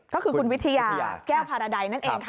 ก็คือคุณวิทยาแก้วพารดัยนั่นเองค่ะ